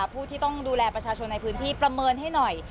ผู้ที่ต้องดูแลประชาชนในพื้นที่ประเมินให้หน่อย